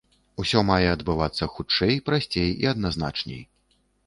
Усё мае адбывацца хутчэй, прасцей і адназначней.